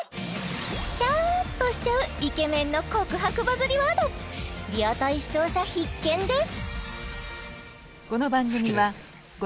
キュンとしちゃうイケメンの告白バズりワードリアタイ視聴者必見です！